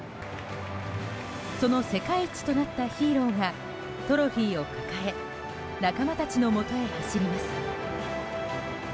その世界一となったヒーローがトロフィーを抱え仲間たちのもとへ走ります。